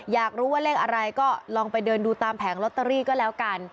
อยากรู้ว่าเลขอะไรก็ลองไปเดินดูตามแผงลอตเตอรี่ก็แล้วกัน